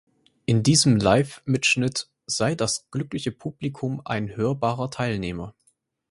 In diesem Livemitschnitt sei das glückliche Publikum ein hörbarer Teilnehmer.